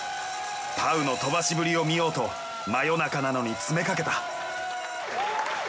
パウの飛ばしぶりを見ようと真夜中なのに詰めかけた。